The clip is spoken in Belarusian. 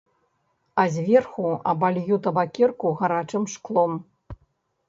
А зверху абалью табакерку гарачым шклом.